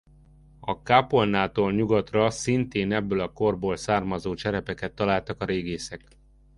A kápolnától nyugatra szintén ebből a korból származó cserepeket találtak a régészek.